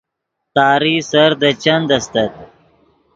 تاری سیر دے چند استت